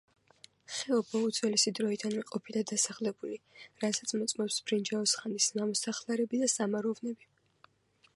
ხეობა უძველესი დროიდანვე ყოფილა დასახლებული, რასაც მოწმობს ბრინჯაოს ხანის ნამოსახლარები და სამაროვნები.